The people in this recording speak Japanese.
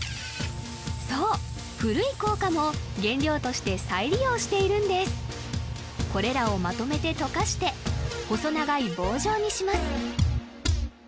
そう古い硬貨も原料として再利用しているんですこれらをまとめて溶かして細長い棒状にします